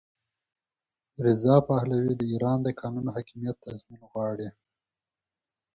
رضا پهلوي د ایران د قانون حاکمیت تضمین غواړي.